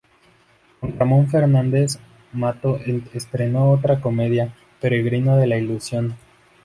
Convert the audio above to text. Con Ramón Fernández Mato estrenó otra comedia, "Peregrino de la ilusión".